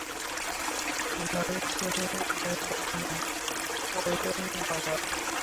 নাম শুনি নাই কখনো, প্লটন বাবার।